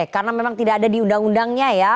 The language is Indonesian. karena memang tidak ada di undang undangnya ya